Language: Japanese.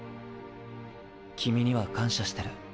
君には感謝してる。